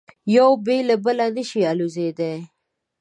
یو بې له بله نه شي الوزېدای.